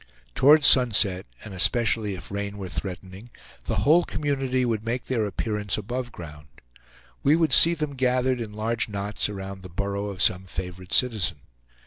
Toward sunset, and especially if rain were threatening, the whole community would make their appearance above ground. We would see them gathered in large knots around the burrow of some favorite citizen.